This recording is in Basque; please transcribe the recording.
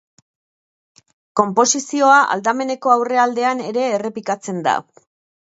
Konposizioa aldameneko aurrealdean ere errepikatzen da.